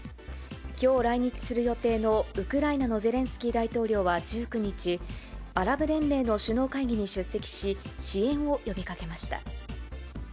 きょう来日する予定のウクライナのゼレンスキー大統領は１９日、アラブ連盟の首脳会議に出席し、支援を呼びかけました。